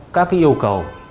các yêu cầu